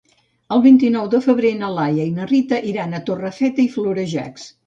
El vint-i-nou de febrer na Laia i na Rita iran a Torrefeta i Florejacs.